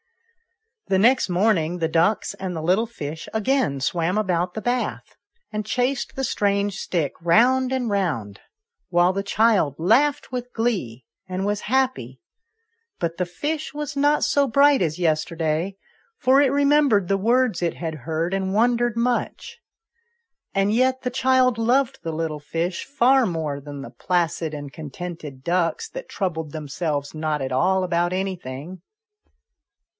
The next morning the ducks and the little fish again swam about the bath, and chased the strange stick round and round, while the child laughed with "DO ALL FISH'LIVE IN THE SEA?" p. 87. viii.] THE IMITATION FISH. 87 glee, and was happy ; but the fish was not so bright as yesterday, for it remembered the words it had heard, and wondered much. And yet the child loved the little fish far more than the placid and contented ducks that troubled themselves not at all about anything.